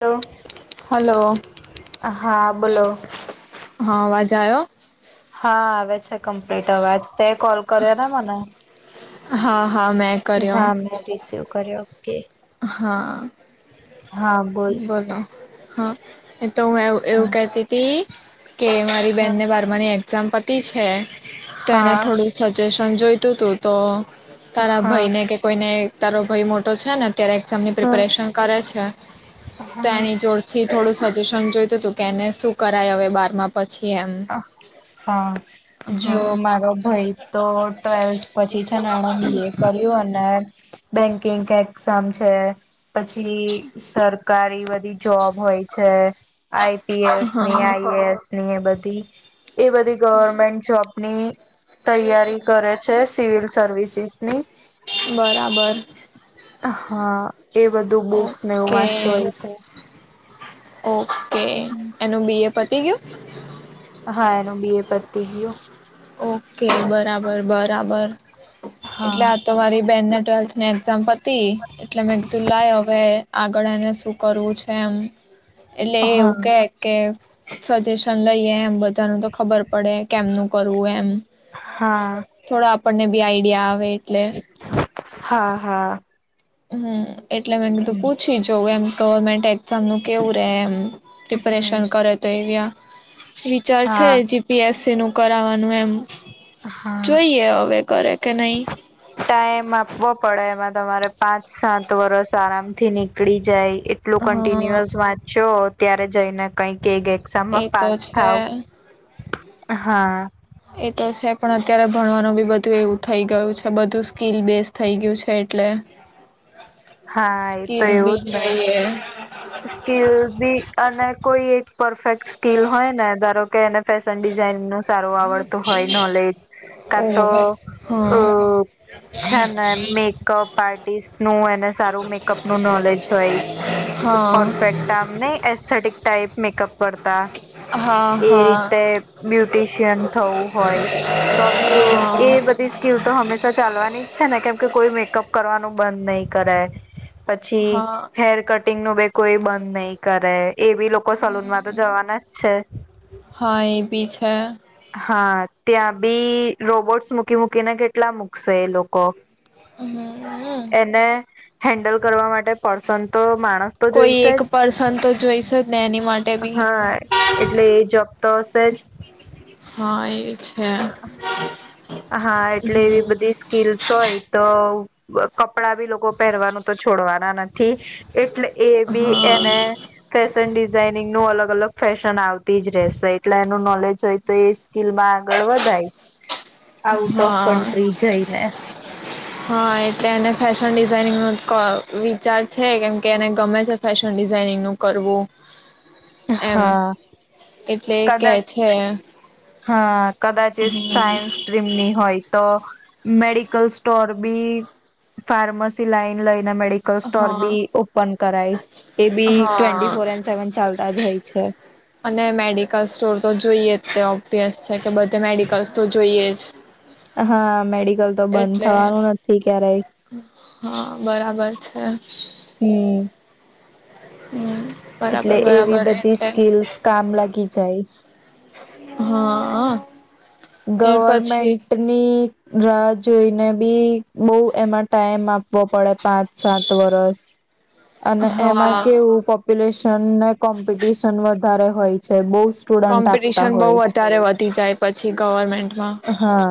Hello hello હા, બોલો. બ જાાો. હા આવે છે કમ્પ્લીટ અવાજ તે. કલ કરને મને. હા હા મેં કર્યો હા મેં રિસીવ કર્યો [inaudible] હા હા બોલ બોલો હા એ તો હું એવ એવું હા કતી હતી. કે મારી બેન ને બાર ની. સંપત્તિ છે. તેને હા થોડું સજેશન જોઈ. તો તો [inaudible] તારા હા ભાઈ ને કે કોઈને તારો ભાઈ મોટો છે ને. ત્યારે એક્ઝામની હા પ્રિપરેશન કરે છે. તો હા એની જોડ થી થોડું સજેશન જોઈ તું તુ કેને શું કરાય હવે બારમાં પછી? એમ હા જો હા મારો ભાઈ તો ટ્વેલ્થ પછી છે ને એણે બી એ કર્યું અને. બેંકિંગ એક્ઝામ છે. પછી સર સરકારી બધી જોબ હોય છે. આઈપીએસ હા ની આઈસ. ન બધ. હતી. એ બધી ગવર્મેન્ટ જોબની તૈયારી કરે છે. Civil services. બરાબર હા એ બધું બુક્સ ને એવું ઓકે વાંચતો હોય છે. ઓ એનું બી એ. પતી ગયુ હા એનું બી એ પતી ગયું. ઓકે બરાબર બરાબર. એટલે હા આ તો મારી બેનને ટ્વેલ્થ. ચંપત. એટલે મે કીધું લાય હવે ગળ ને શું કરવું છે એમ. એટલે એવું હા કે કે. સજેશન લઈએે એમ બધું. બતાનું તો ખબર પડે કેમનું. કરવું એમ હા થોડા. આપણને બી આઈડિયા આવે. એટલે. હા હા. હમ. એટલે મેં કીધું પૂછી જોઉં એમ. ગવર્મેન્ટ એકસામનું કેવું રહે એમ. હમ પ્રિપરેેશન કરત એયા. ફીચર છે હા જીપી એસસી નું. કરાવવાનું એમ. હા જોઈએ હવે કરે કે નહી. ટાઈમ આપવો પડે એમાં તમારે પાંચ સાત વરસ આરામથી નીકળી જાય. એટલું હા કન્ટિન્યુઅસ વાંચો. ત્યારે જઈ ને કઈક. કે એક એ એક્ઝામમાં તો પાસ છે થાવ. હા એ તો છે પણ અત્યારે ભણવાનું બી બધું એવું થઈ ગયું છે બધું સ્કીિલ બેઝ થઈ ગયું છે એટલે હા એ તો સ્કીલ એવું બી જ ને જોઈએ સ્કીલ બી અને કોઈ એક પરફેક્ટ સ્કીિલ હોય ને ધારો કે એને ફેશન ડિઝાઇન નું સારુ આવડ તો હોય નલેજ કા ઓ તો અ હા છે ને મેકઅપ આર્ટિસ્ટ નું એને સારું મેકઅપ નું નોલેજ હોય હા પરફેક્ટ આમને એસથેટીક ટાઈપ મેકઅપ કરતા હા એ રીતે હા બ્યુટિશિયન થવું હોય તો બીએ એ હા બધી સ્કીલ તો હંમેશા ચાલવાની જ છે ને કેમકે કોઈ મેકઅપ કરવાનું બંધ નહીિ કરાય હા પછી હા હેર કટ નું બે કોઈ બંધ નહીં કરે એ બી લોકો સલૂન માં તો જવાના જ છે હે હા ત્યાં બી રોબોટ્સ મૂકી મૂકીને કેટલા મૂકશે એ લોકો હમ હા એને [inaudible] હેન્ડલ કરવા માટે પર્સન તો માણસ તો કોઈ જોઈશે એક જ પર્સન તો જોઈશે જ ને એની માટે બી હા એટલે એ જબ તો હશે જ હા એ જ હે હા એટલે એવી બધી સ્કીલસ હોય તો કપડા બી લોકો પહેરવાનું તો છોડવાના નથી એટલે એ બી એને હા ફેશન ડિઝાઇન ની નો અલગ અલગ ફેશન આવતી જ રહેશે એટલે એનું નોલેજ હોય તો એ સ્કીલમાં આગળ વધાય. આઉટ ઓફ હા કન્ટ્રી જઈને. હા એટલે એને ફેશન ડિઝાઇનિંગ નું ક વિચાર છે કેમ કે એને ગમે છે ફેશન ડિઝાઇનિંગ નું કરવું. એમ. હા, એટલે કે છે. કદાચ હા. કદાચ એ હમ્મ. સાયન્સ સ્ટ્રીમ ની હોય. તો medical store B pharmacy line લઈ ના મેડિકલ સ્ટોર હા બી ઓપન કરાઈ તે બી હા ટ્વેન્ટી ફોર એન સેવેન ચાલ તાજ હોય છે. અને મેડિકલ સ્ટોર તો જોઈએ તો તેજ છે કે બધે મેડિકલ્સ તો જોઈએ જ હા મેડિકલ તો બંધ એટલે થવાનું નથી ક્યારેય હા બરાબર છે. હમ્મ. હમ્મ. એટલે એવી બધી સ્કીલ્સ કામ લાગી જાય. હાઅ. ગવર્મેન્ટની રાહ જોઈને ભી બહું એમાં ટાઈમ આપવો પડે પાંચ સાત વરસ અને હા એમાં કેવું પ સિલેશન ને કોમ્પિટિશન વધારે હોય છે બહુજ કોમ્પિટિશન બહુ વધારે વધી જાય પછી. ગવરમે હા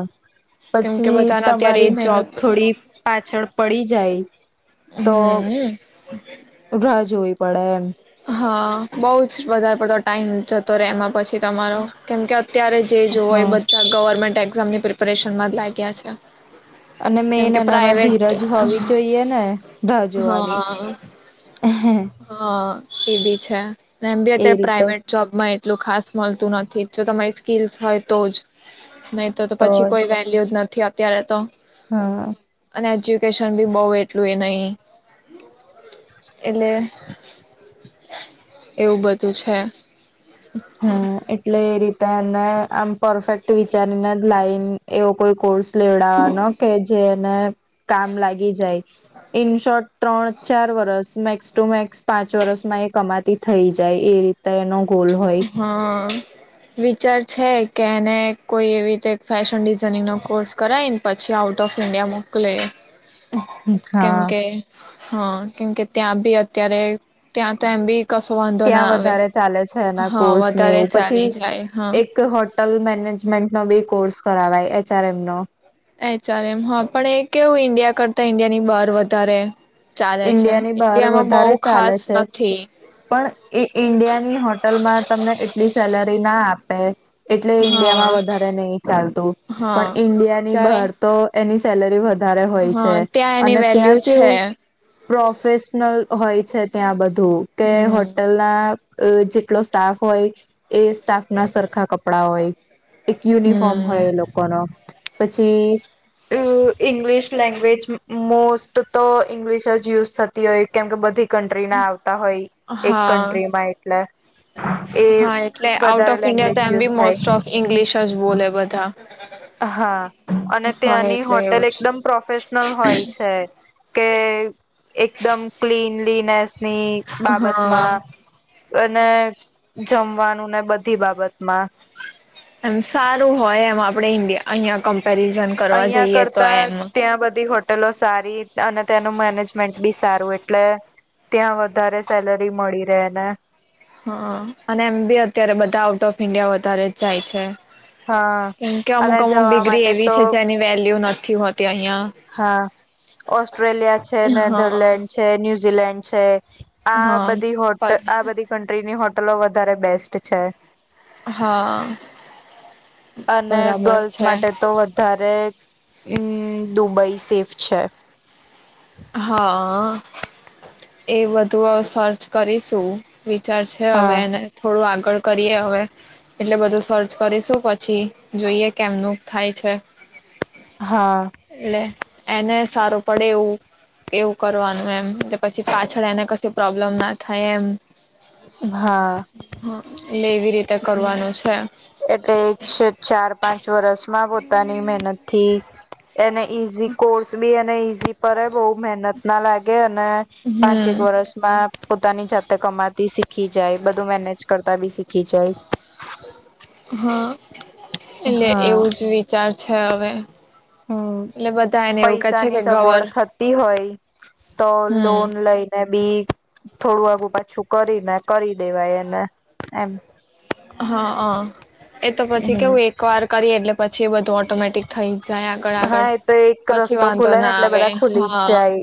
પછી બધાને અત્યારે એ તમારી જ મહેનત જોબ થોડી પાછળ પડી જાય તો હમ રાહ જોવી પડે એમ. હા, બહુજ વધારે પડતો ટાઈમ જતો રહેે એમાં પછ છી તમારો કેમ કે અત્યારે જે હા જોય બધા ગવર્મેન્ટ એક્ઝામ ની પ્રિપરેશન માં જ લાગ્યા છે. અને મેન કેમકે એનામાં પ્રાઇવેટ ધીરજ હોવી જોઈએ ને રાહ જોવાની હા એહે. હા એ ભી છે. એમ ભી આત્યારે પ્રાઈવેટ જોબમાં એ એટલું ખાસ મલતું નથી જો તમારી સ્કીલસ હોય તો જ નહી તર તો પછી કોઈ વેલ્યુ જ ન થી અત્યારે તો. હા એજ્યુકેશન ભી બોવ એટલું એ નહી એટલે એવું બધું છે હા એટલે એ રીતે ને આમ પરફેક્ટ વિચારીને જ લાઈન એવો કોઈ કોર્સ લેવડાવવાનો કે જે એને કામ લાગી જાય ઈન શોર્ટ ત્રણ ચાર વરસ મેક્સ ટુ મેક્સ પાંચ વરસમાં એ કમાતી થઈ જાય એ રીતે એ હ વિચાર છે કે એને કોઈ એવી રીતે ફેશન ડિઝાઇનિંગ નો કોર્સ કરાય ને પછી આઉટ ઓફ ઈન્ડિયા મોકલે કેમ હા કે હા કેમકે ત્યાં ભી અત્યારે ત્યાં તો એમ ભી ત્યાં વધારે ચાલે છે એના હા કોર્સ ને વધારે એવું પછી ચાલી જાય હા એક હોટલ મેનેજમેન્ટ નો બી કોર્ કોસ કરવાય એચ આર એમ નો. એચ આર એમ હા પણ એ કેવું ઈન્ડિયા કરતા ઇન્ડિયા ની બહાર વધારે. ચાલે છે ઈન્ડિયાની બહાર ઈન્ડિયામાં વધારે બહુ ચાલે ખાસ છે નથી પણ એ ઈન્ડિયાની હોટલમાં તમને એટલી સેલરી ના આપે. એટલે ઈન્ડિયામાં હા વધારે નહી ચાલતું હા પણ ઈન્ડિયા ની જ્યારે બહાર તો એની સેલરી વધ વધારે હોય હા છે ત્યાં એની અને વેલ્યુ ત્યાં છે કેવું પ્રોફેશનલ હોય છે ત્યાં બ તું કે હમ હોટેલ ના એ જેટલો સ્ટાફ હોય. એ સ્ટાફ ના સરખા કપડા હોય એક યુનિફોર્મ હમ હોય એ લોકોનો. પછી ઇંગ્લિશ લેંગ્વેજ મોસ્ટ તો ઇંગ્લિશ જ [inaudible] યુઝ થતી હોય કેમ કે બધી કન્ટ્રી ના આવતા હોય એક હા કન્ટ્રીમાં એટલે. એ હા એટલે આઉટ વધારે ઓફ ઇન્ડિયા લેંગ્વેજ તો એમ યુઝ બી થાય મોસ્ટ ઓફ ઇંગ્લિશ જ બોલે બધા. હા અને હા ત્યાંની એટલે હોટેલ એવું જ એકદમ પ્રોફેશનલ હોય છે કે એકદમ ક્લીન. ક્લીનસ. ની બાબતમાં હા અને જમવાનું ને બધી બાબતમાં. એમ સારું હોય એમ આપડે ઇન્ડિયા અ અહિયાં ક કમ્પેરિઝન કરવા જઈએ તો એમ. ટલો સારી અને તેનું મેનેજમેન્ટ બી સારું એટલે ત્યાં વધારે સેલરી મળી રહે ને. હા અને એમ બી અત્યારે બધા આઉટ ઓફ ઇન્ડિયા વધારે જ જાય છે. હા કેમ કે અને અમુક અમુક જવા ડિગ્રી માટે એવી તો છે જેની વેલ્યુ નથી હોતી અહિયાં હા ઓસ્ટ્રેલિયા છે હા નેધરલેન્ડ છે ન્યૂ ન્યઝીલેન્ડ છે. આ હા બધી હોટ આ પછી બધી કંન્ટ્રીની હોટ ટલો વધારે બેસ્ટ છે. હા. અને બરાબર ગર્લ્સ છે માટે તો વધારે ઇન દુબઈ સેફ છે. હા. એ બધું સર્ચ કરીશું. વિચાર છે હવે હા એને થોડું આગળ કરીએ હવે. એટલે બધું સર્ચ કરીશું પછી જોઈએ કેમનું થાય છે. હા એલે એને સારો પડે એવું એવું કરવાનું એમ, એટલે પછી પાછળ એને કશું પ્રોબ્લેમ ના થાય એમ હા હા એટ લેવી રીતે કરવાનું છે એટલે ચાર પાંચ વર્ષ માં પોતાની મહેનત થી એને ઈઝી કોર્સ બી એને ઈઝી પરે બહુ મહેનત ના લાગે અને પાંચેક હમ વરષમાં પોતાની જાતે કમાતી શીખી જાય બધું મેનેજ કરતા બી શીખ કી જઇ હા એટલે હા. એવું જ વિચાર છે હવે હમ એટલે બધા એને એવું કે છે પૈસાની કે સગવડ ગવર થતી હોય તો હમ લોન લઈને બી થોડું વાઘું પાછું કરીને કરી દેવાય એને એમ હા હ એ તો પછી કેવું હમ. એક વાર કરી એટલે પછી બધ તો ઓટોમેટિક થાય. જાય આગળ આગળ હા એ તો એક પછી રસ્તો વાંધો ખુલે ને ના એટલે આવે બધા ખુલી જ હા જાય.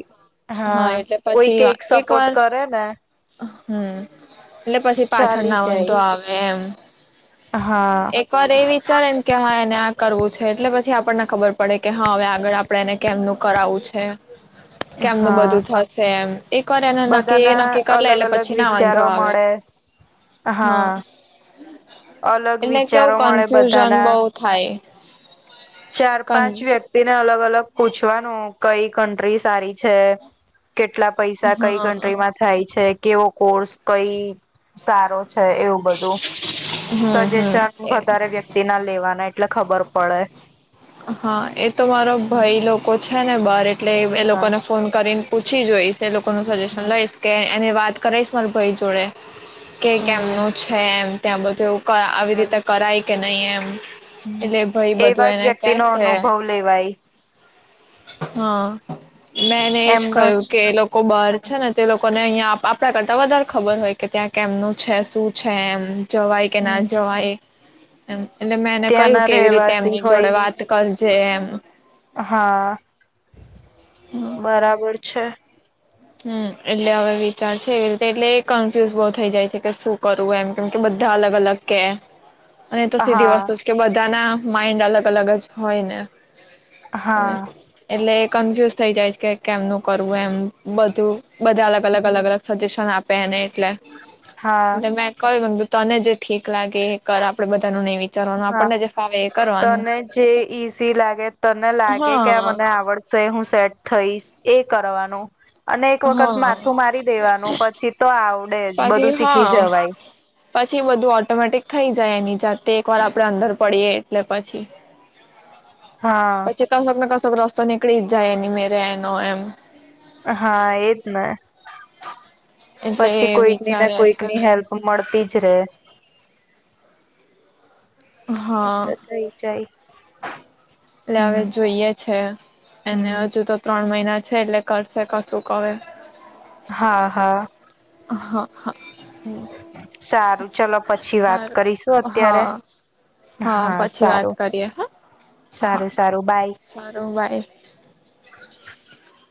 હા એટલે કોઈક પછી એક સપોર્ટ વાર કરે ને હમ એટલે પછી પાછળ ચાલી ના જાય. વાંધો આવે એમ હા એક વાર એ વિચારે ને કે હ એને કરવું છે એટલે પછી આપણને ખબર પડે કે હા હવે આગળ આપડણે એને કેમનું કરાવવું છે. કેમનું હા. બધું થશે એમ એ કરેને નક્કી એ બધાના નક્કી કર લ અલગ એટલે અલગ પછી ના વાંધો વિચારો આવે મળે હા- [unintelligible] અલગ એટલે વિચારો કેવું મળે કન્ફ્યુઝન બધાના બહ થાય. ચાર કન પાંચ વ્યક્તિને અલગ અલગ પૂછવાનું. કઈ કન્ટ્રી સારી છે. કેટલા પૈસા કઈ હા કન્ટ્રીમાં થાય છે. કેવો કોર્સ કઈ સારો છે. એવું બધું હમ સજેશન હમ વધારે વ્યક્તિ ના લેવાના એટલે ખબર પડે. હા એ તો મારો ભાઈ લોકો ઓછા ને બારે એટલે એ હા લોકોને ફોન કરીને પૂછી જોઈશ એ લોકોનું સજેશન લઈશ કે એને વાત કરીશ. મર ભાઈ જોડે. કે કે હમ કેમનું એમ ત્યાં બધું એઇ ક આવી રીતે કરાય કે કે નહી એમ. હમ્મ એટલે ભાઈ બધું એવા જ એને વ્યક્તિ નો કેશે અનુભવ લેવાય. હા. મેં એને એજ એમનો કહ્યું જ કે એ લોકો બાર હા છે ને તે લોક કોને અહીંયા આપણા કરતા વધારે ખબર હોય કે ત્યાં કેમનું છે શું. છે એમ. જવાય કે ના હમ જવાય એ. [inaudible] એટલે મેં એને કહ્યું ત્યાંના કેવી રીતે રહેવાસી એમની હોય જોડે વાત કરજે એમ. હા હમ બરાબર છ છે. હમ એટલે હવે વિચાર છે એવી રીતે એટલે કન્ફ્યુઝ બહુ થઇ જાય છે કે શું કરવું એમ કેમ કે બધા અલગ અલગ કે. અને તો સીધી હા વસ્તુ જ કે બધાના માઈન્ડ અલગ અલગ જ હોય ને. હવે હા એલે. કન્ફ્યુઝ થઈ જાય છે કે કેમનું કરવું એમ. બધું. બધા અલગ અલગ અલગ હમ અલગ સજેશન આપ પહેને. ટલે હા લે મેં કએ વંદુ તને જે ઠીક લાગે એ કર આપડે બ હા તને જે ઈઝી લાગે તને લાગે કે આ હા મને આવડશે હું સેટ થઈશ એ કરવા નું. અને એક વખત હા માથું મારી દેવાનું પછી તો આવ પછી હા પછી બધું ઓટોમેટિક એ થઈ જાય એની જાતે એક વાર આપડે અંદર પડીએ એટલે પછી. હા પછી તો હું [inaudible] સો નીકળી ઈજા એની મેરે એનો એમ. હા એજને. એટલે એ પછી કોઈક ની ને વિચારે કોઈક છે ની હેલ્પ મળતી જરે હા, થઈ જાય એટલે હવે હમ જોઈએ છે એને હમ હજુ તો ત્રણ મહિના છે એટલે કરશે કશુંક હવે. હા, હા. હ, હ. એવું, સારું ચલો. પછી વાત કરીશું હારું અત્યારે હા હા પછી વાત કરીએ હા હા સારું સારું બાય સારું બાય.